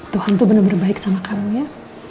tuhan tuh bener bener baik sama kamu ya